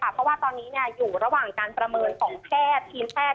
เพราะว่าตอนนี้อยู่ระหว่างการประเมินของแพทย์ทีมแพทย์